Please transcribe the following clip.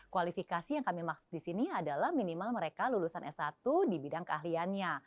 kualifikasi yang kami maksud di sini adalah minimal mereka lulusan s satu di bidang keahliannya